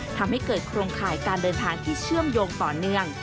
ทำให้เกิดโครงข่ายการเดินทางที่เชื่อมโยงต่อเนื่อง